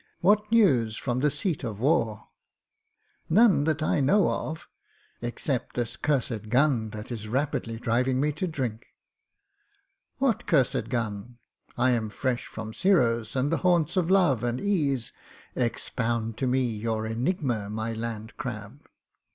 What news from the seat of war?" "None that I know of — except this cursed gun, that is rapidly driving me to drink." "What cursed gun? I am fresh from Giro's and the haunts of love and ease. Expound to me your enigma, my Land Crab."